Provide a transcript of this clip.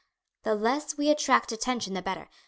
The less we attract attention the better.